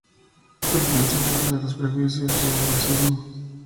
Su guion se burla de los prejuicios y del racismo.